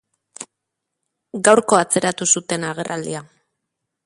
Gaurko atzeratu zuten agerraldia.